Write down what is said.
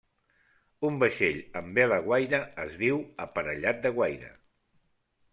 Un vaixell amb vela guaira es diu aparellat de guaira.